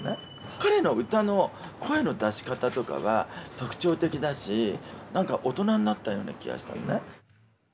彼の歌の声の出し方とかは特徴的だし、なんか大人になったような気がしたのね。